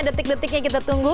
detik detiknya kita tunggu